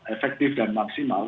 efektif dan maksimal